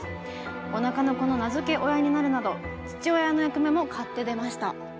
おなかの子の名付け親になるなど父親の役目も買って出ました。